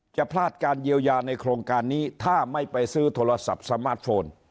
พลาดการเยียวยาในโครงการนี้ถ้าไม่ไปซื้อโทรศัพท์สมาร์ทโฟน